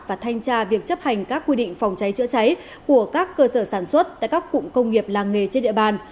và thanh tra việc chấp hành các quy định phòng cháy chữa cháy của các cơ sở sản xuất tại các cụm công nghiệp làng nghề trên địa bàn